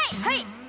はい。